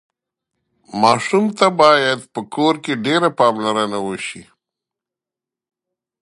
ماشوم ته باید په کور کې ډېره پاملرنه وشي.